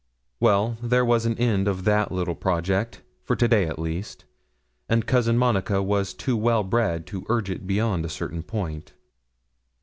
Well, there was an end of that little project, for to day at least; and Cousin Monica was too well bred to urge it beyond a certain point.